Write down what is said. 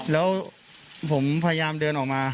แล้วผมพยายามเดินออกมา